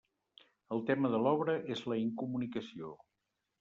El tema de l'obra és la incomunicació.